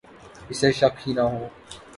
اسے شک ہی نہ ہو